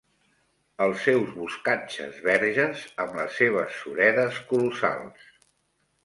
Els seus boscatges verges amb les seves suredes colossals.